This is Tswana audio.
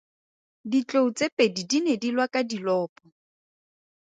Ditlou tse pedi di ne di lwa ka dilopo.